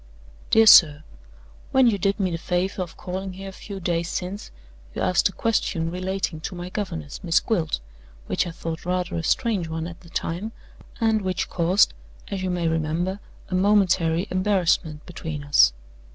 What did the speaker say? "DEAR SIR When you did me the favor of calling here a few days since, you asked a question relating to my governess, Miss Gwilt, which I thought rather a strange one at the time, and which caused, as you may remember, a momentary embarrassment between us.